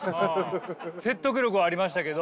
説得力はありましたけど。